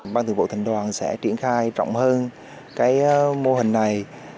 ban thủ tục thành đoàn sẽ triển khai rộng hơn mô hình này